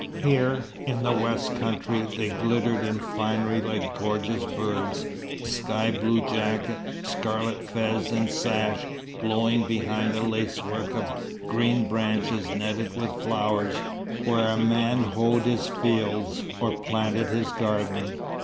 Here, in the west country, they glittered in finery like gorgeous birds: sky blue jacket, scarlet fez and sash glowing behind a lacework of green branches netted with flowers, where a man hoed his fields or planted his garden.